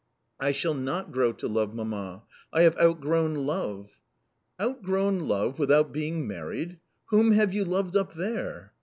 "I shall not grow to love, mamma; I have outgrown love." " Outgrown love without being married ? Whom have you loved up there